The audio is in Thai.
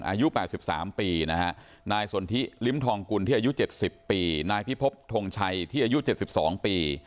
อายุ๘๓ปีนะฮะนายสนทิลิ้มทองกุลที่อายุ๗๐ปีนายพิพบทงชัยที่อายุ๗๒ปี